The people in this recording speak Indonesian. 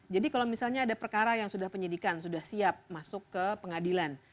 jadi kalau misalnya ada perkara yang sudah penyelidikan sudah siap masuk ke pengadilan